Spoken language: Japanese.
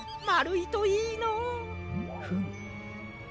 まるいといいのう。フム。